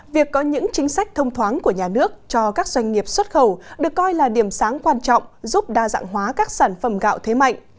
việc có những chính sách thông thoáng của nhà nước cho các doanh nghiệp xuất khẩu được coi là điểm sáng quan trọng giúp đa dạng hóa các sản phẩm gạo thế mạnh